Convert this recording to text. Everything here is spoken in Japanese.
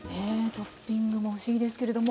トッピングも不思議ですけれども。